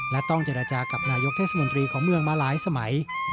และต้องเจรจากับนายกเทศมนตรีของเมืองมาหลายสมัย